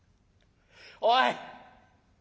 おい！